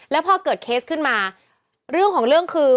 แล้วพอเกิดเคสขึ้นมาเรื่องของเรื่องคือ